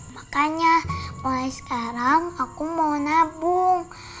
makanya mulai sekarang aku mau nabung